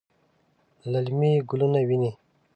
للمي ګلونه ویني